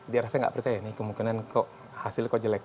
dia rasa nggak percaya nih kemungkinan kok hasilnya kok jelek